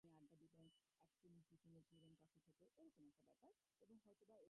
দুধ খাইয়া বল পাইলে বৃদ্ধ বিনয়কে কহিলেন, এবারে আমরা যাই।